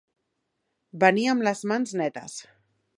Venir amb les mans netes.